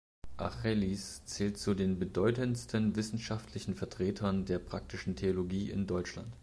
Achelis zählt zu den bedeutendsten wissenschaftlichen Vertretern der praktischen Theologie in Deutschland.